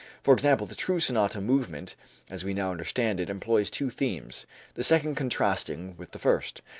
For example, the true sonata movement as we now understand it employs two themes, the second contrasting with the first.